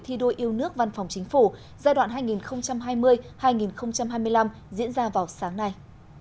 thi đua yêu nước văn phòng chính phủ giai đoạn hai nghìn hai mươi hai nghìn hai mươi năm diễn ra vào sáng nay